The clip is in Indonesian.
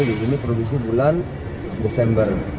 ini produksi bulan desember